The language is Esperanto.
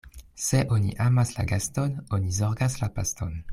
Se oni amas la gaston, oni zorgas la paston.